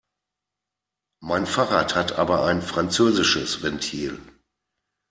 Mein Fahrrad hat aber ein französisches Ventil.